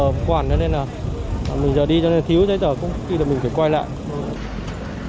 cho nên là mình giờ đi cho nên thiếu giấy tỏa cũng khi là mình phải quay lại